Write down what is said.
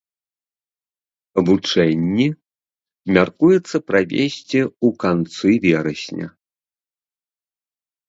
Вучэнні мяркуецца правесці ў канцы верасня.